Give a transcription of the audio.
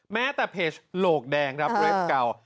แม้แต่เพจโหลกแดงครับเล็บเก่า